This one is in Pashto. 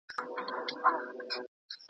د نن ځواني د ګلو لښته